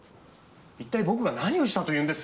一体僕が何をしたというんです？